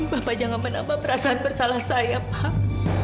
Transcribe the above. bapak jangan menambah perasaan bersalah sayap pak